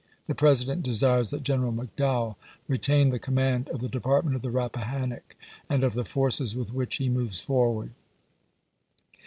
.. The President desires that General McDowell retain the command of the Department of the Rappahannock, and of the forces with which he moves forward.